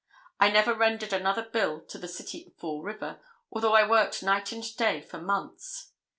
I never rendered another bill to the City of Fall River, although I worked night and day for months.